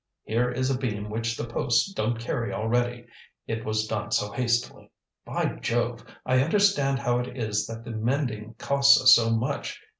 Here is a beam which the posts don't carry already, it was done so hastily. By Jove! I understand how it is that the mending costs us so much.